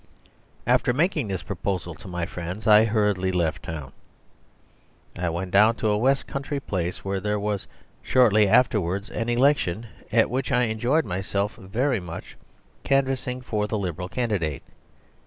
..... After making this proposal to my friends I hurriedly left town. I went down to a West Country place where there was shortly afterwards an election, at which I enjoyed myself very much canvassing for the Liberal candidate.